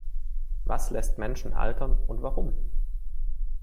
Was lässt Menschen altern und warum?